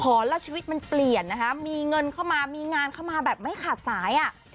แล้วชีวิตมันเปลี่ยนนะคะมีเงินเข้ามามีงานเข้ามาแบบไม่ขาดสายอ่ะ